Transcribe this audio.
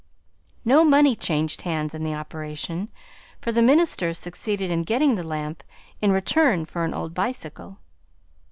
No money changed hands in the operation; for the minister succeeded in getting the lamp in return for an old bicycle.